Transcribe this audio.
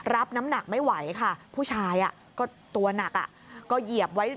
รับน้ำหนักไม่ไหวค่ะผู้ชายก็ตัวหนักก็เหยียบไว้